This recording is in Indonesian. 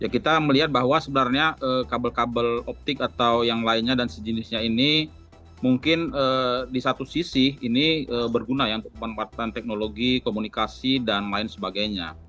kita melihat bahwa sebenarnya kabel kabel optik atau yang lainnya dan sejenisnya ini mungkin di satu sisi ini berguna ya untuk memanfaatkan teknologi komunikasi dan lain sebagainya